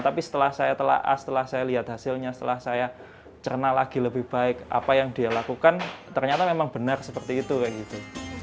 tapi setelah saya telah as setelah saya lihat hasilnya setelah saya cerna lagi lebih baik apa yang dia lakukan ternyata memang benar seperti itu kayak gitu